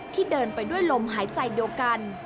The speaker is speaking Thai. เดินไปด้วยลมหายใจเดียวกัน